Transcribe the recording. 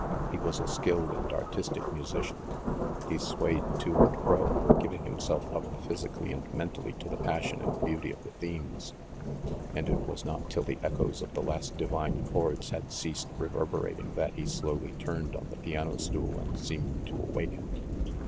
He was a skilled and artistic musician. He swayed to and fro, giving himself up physically and mentally to the passion and beauty of the themes, and it was not till the echoes of the last divine chords had ceased reverberating that he slowly turned on the piano stool and seemed to awaken.